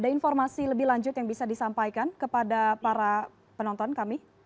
ada informasi lebih lanjut yang bisa disampaikan kepada para penonton kami